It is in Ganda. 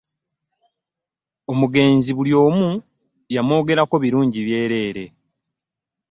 Omugenzi buli omu yamwogerako birungi byerere.